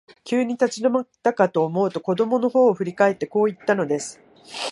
急に立ち止まったかと思うと、子供のほうを振り返って、こう言ったのです。